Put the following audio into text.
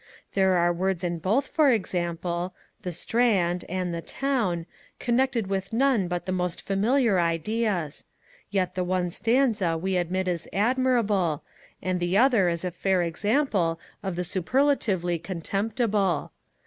There are words in both, for example, 'the Strand,' and 'the Town,' connected with none but the most familiar ideas; yet the one stanza we admit as admirable, and the other as a fair example of the superlatively contemptible.